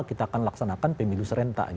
kita akan laksanakan pemilu serentak